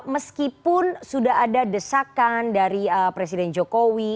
meskipun sudah ada desakan dari presiden jokowi